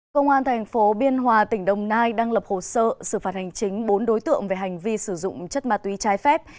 công an thành phố biên hòa tỉnh đồng nai đang lập hồ sơ xử phạt hành chính bốn đối tượng về hành vi sử dụng chất ma túy trái phép